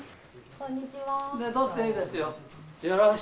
こんにちは。